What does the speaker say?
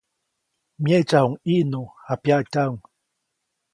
Myeʼtsaʼuŋ ʼIʼnu, japyaʼtyaʼuŋ.